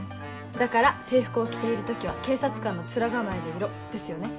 だから制服を着ている時は警察官の面構えでいろですよね。